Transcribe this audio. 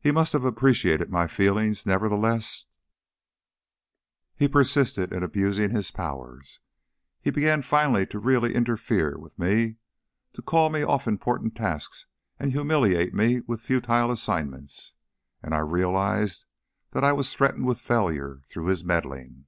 He must have appreciated my feelings nevertheless, he persisted in abusing his powers; he began finally to really interfere with me, to call me off of important tasks and humiliate me with futile assignments, and I realized that I was threatened with failure through his meddling.